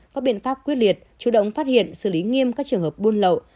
có biện pháp quyết liệt chủ động phát hiện xử lý nghiêm các trường hợp buôn lậu